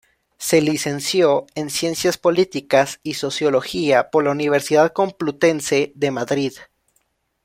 Se licenció en Ciencias políticas y Sociología por la Universidad Complutense de Madrid.